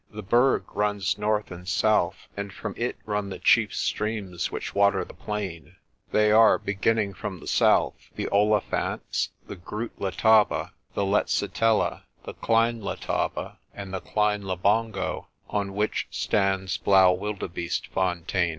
The Berg runs north and south, and from it run the chief streams which water the plain. They are, beginning from the south, the Olifants, the Groot Letaba, the Letsitela, the Klein Letaba, and the Klein Labongo, on which stands Blaau wildebeestefontein.